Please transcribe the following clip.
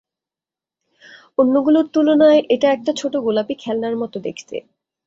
অন্যগুলোর তুলনায়, এটা একটা ছোট গোলাপী খেলনার মত দেখতে।